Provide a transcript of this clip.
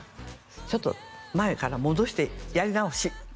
「ちょっと前から戻してやり直し」